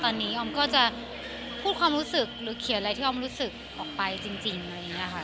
ตอนนี้ออมก็จะพูดความรู้สึกหรือเขียนอะไรที่ออมรู้สึกออกไปจริงอะไรอย่างนี้ค่ะ